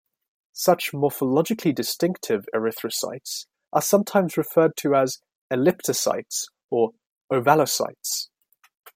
Such morphologically distinctive erythrocytes are sometimes referred to as elliptocytes or ovalocytes.